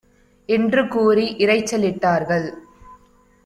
என்று கூறி இரைச்சலிட் டார்கள்.